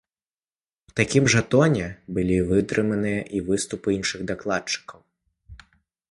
У такім жа тоне былі вытрыманыя і выступы іншых дакладчыкаў.